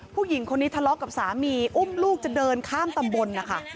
ผู้หญิงคนนี้ทะเลาะกับสามีอุ้มลูกจะเดินข้ามตำบลนะคะ